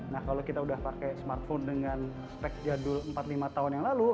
nah kalau kita udah pakai smartphone dengan spek jadul empat lima tahun yang lalu